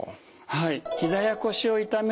はい。